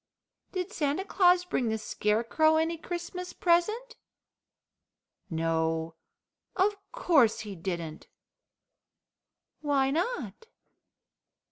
"Did Santa Claus bring the Scarecrow any Christmas present?" "No, of course he didn't." "Why not?"